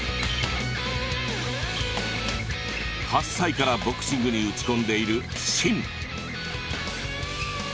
８歳からボクシングに打ち込んでいるシン。